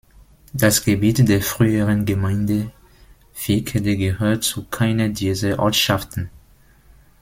Das Gebiet der früheren Gemeinde Wickede gehört zu keiner dieser Ortschaften.